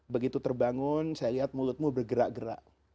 begitu terbangun saya lihat mulutmu bergerak gerak